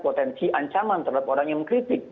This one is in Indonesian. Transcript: potensi ancaman terhadap orang yang mengkritik